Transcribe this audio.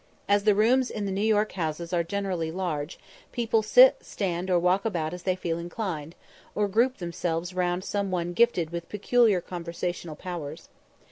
As the rooms in the New York houses are generally large, people sit, stand, or walk about as they feel inclined, or group themselves round some one gifted with peculiar conversational powers.